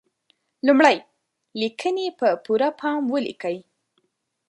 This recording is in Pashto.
لمړی: لیکنې په پوره پام ولیکئ.